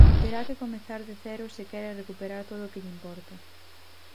Terá que comezar de cero se quere recuperar todo o que lle importa.